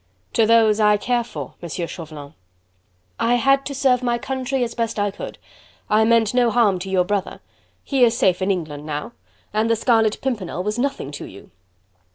"To those I care for, Monsieur Chauvelin." "I had to serve my country as best I could. I meant no harm to your brother. He is safe in England now. And the Scarlet Pimpernel was nothing to you."